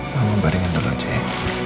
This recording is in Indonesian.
mama baringan dulu aja ya